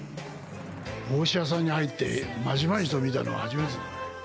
帽子屋さんに入ってまじまじと見たのは初めてだね。